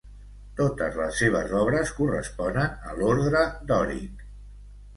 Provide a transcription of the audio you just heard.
Totes les seves obres corresponen a l'ordre dòric.